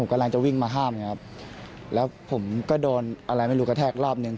ผมกำลังจะวิ่งมาห้ามผมก็โดนอะไรไม่รู้กระแทกรอบหนึ่ง